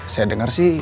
saya denger sih